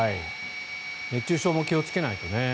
熱中症も気をつけないとね。